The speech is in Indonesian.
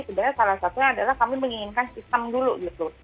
sebenarnya salah satunya adalah kami menginginkan sistem dulu gitu